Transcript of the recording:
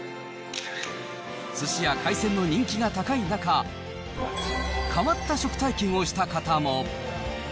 すしや海鮮の人気が高い中、変わった食体験をした方も。